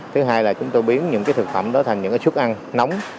thứ hai là chúng tôi biến những thực phẩm đó thành những suất ăn nóng